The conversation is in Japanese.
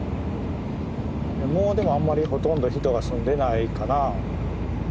もうでもあんまりほとんど人が住んでないかな。